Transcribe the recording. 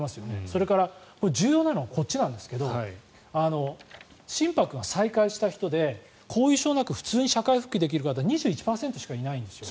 それから重要なのはこっちなんですけど心拍が再開した人で後遺症なく普通に社会復帰ができる方２１％しかいないんですよ。